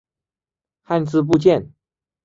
汉字部件。